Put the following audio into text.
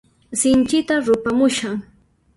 Sinchita ruphamushan.